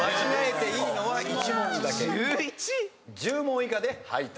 １０問以下で敗退。